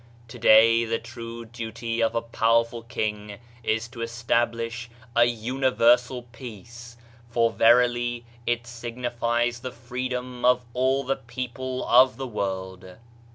Today, the true duty of a powerful king is to establish a universal peace ; for verily it signifies the freedom of all the people of the world.